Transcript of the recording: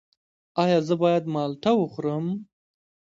ایا زه باید مالټه وخورم؟